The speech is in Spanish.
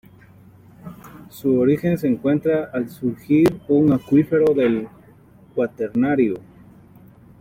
Su origen se encuentra al surgir un acuífero del Cuaternario.